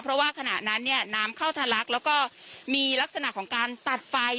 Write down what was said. เพราะว่าขณะนั้นเนี่ยน้ำเข้าทะลักแล้วก็มีลักษณะของการตัดไฟ